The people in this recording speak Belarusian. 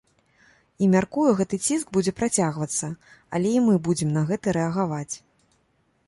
І, мяркую, гэты ціск будзе працягвацца, але і мы будзем на гэта рэагаваць.